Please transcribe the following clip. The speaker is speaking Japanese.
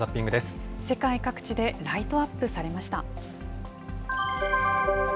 世界各地でライトアップされました。